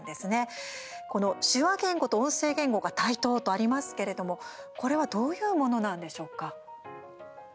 この手話言語と音声言語が対等とありますけれども、これはどういうものなんでしょうか？